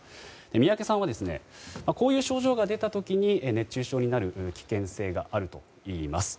三宅さんはこういう症状が出た時に熱中症になる危険性があるといいます。